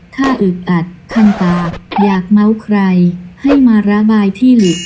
ถ้าอึดอัดคันตาอยากเม้าใครให้มาระบายที่หลี